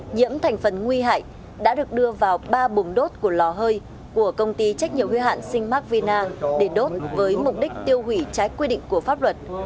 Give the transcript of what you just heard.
nhiễm thành phần nguy hại đã được đưa vào ba bùng đốt của lò hơi của công ty trách nhiệm huy hạn sinh mark vinang để đốt với mục đích tiêu hủy trái quy định của pháp luật